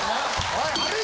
おい！